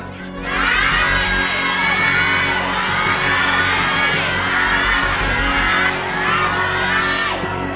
ได้ได้ได้